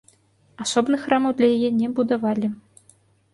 Асобных храмаў для яе не будавалі.